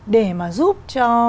để mà giúp cho